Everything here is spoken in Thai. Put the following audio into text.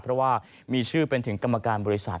เพราะว่ามีชื่อเป็นถึงกรรมการบริษัท